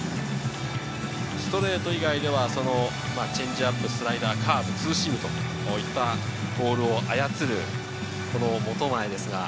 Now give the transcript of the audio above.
ストレート以外ではチェンジアップ、スライダー、カーブ、ツーシーム、こういったボールを操る本前です。